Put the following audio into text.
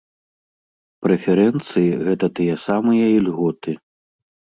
Прэферэнцыі гэта тыя самыя ільготы.